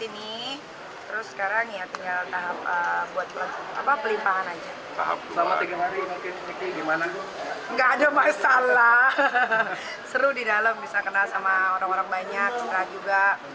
enggak ada masalah seru di dalam bisa kenal sama orang orang banyak cerah juga